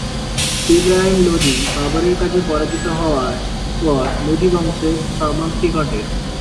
ইবরাহিম লোদি বাবরের কাছে পরাজিত হওয়ার পর লোদি রাজবংশের সমাপ্তি ঘটে।